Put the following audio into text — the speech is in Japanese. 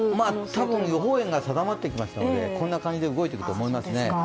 多分予報円が定まってきましたのでこんな感じが動いていくと思います。